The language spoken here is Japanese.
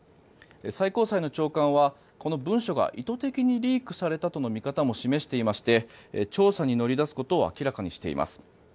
最高裁の長官は、この文書が意図的にリークされたとの見方も示してしまして調査に乗り出すことを明らかにしています。